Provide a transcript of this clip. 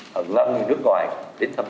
hẳn năm nước ngoài đến thăm dự